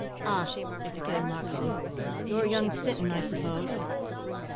"Ah!" exclaimed Moxton, "you're young Sinton, I suppose?"